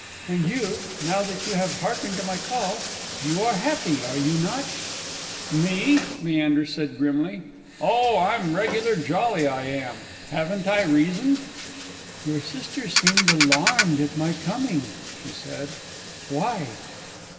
And you, now that you have hearkened to my call, you are happy, are you not?" "Me?" said Leander, grimly. "Oh, I'm regular jolly, I am! Haven't I reason?" "Your sisters seemed alarmed at my coming," she said. "Why?"